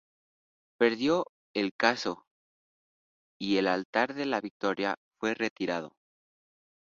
Perdió el caso y el Altar de la Victoria fue retirado.